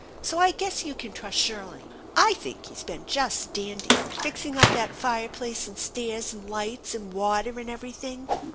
So I guess you can trust Shirley. I think he's been just dandy, fixing up that fireplace and stairs and lights and water and everything."